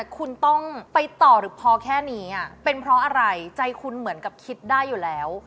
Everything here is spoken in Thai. คุณต้องไปต่อหรือพอแค่นี้เป็นเพราะอะไรใจคุณเหมือนกับคิดได้อยู่แล้ว